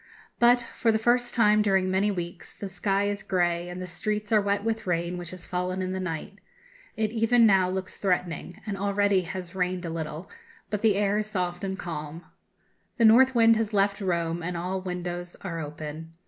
But, for the first time during many weeks, the sky is grey, and the streets are wet with rain which has fallen in the night; it even now looks threatening, and already has rained a little, but the air is soft and calm. The north wind has left Rome, and all windows are open.